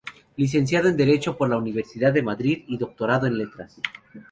Licenciado en Derecho por la Universidad de Madrid y doctorado en Letras.